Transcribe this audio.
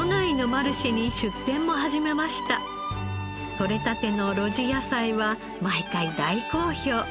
採れたての露地野菜は毎回大好評。